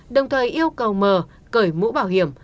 đồng thời yêu cầu mơ cởi mũ bảo hiểm